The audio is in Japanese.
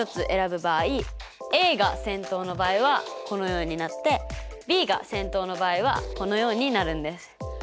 Ａが先頭の場合はこのようになってＢが先頭の場合はこのようになるんです。